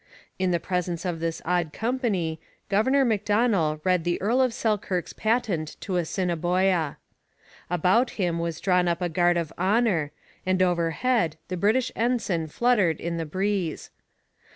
In the presence of this odd company Governor Macdonell read the Earl of Selkirk's patent to Assiniboia. About him was drawn up a guard of honour, and overhead the British ensign fluttered in the breeze.